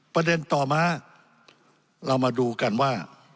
ประเด็นต่อมาเรามาดูกันว่า